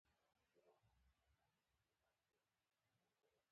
چیرته ییضایع کوی؟